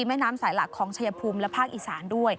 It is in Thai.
แม่น้ำสายหลักของชายภูมิและภาคอีสานด้วย